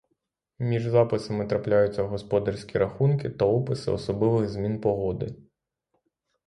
Між записами трапляються господарські рахунки та описи особливих змін погоди.